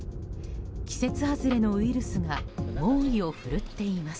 季節外れのウイルスが猛威を振るっています。